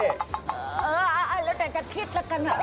เออเราแต่จะคิดละกัน